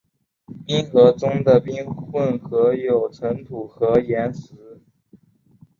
冰河中的冰混合有尘土和岩石。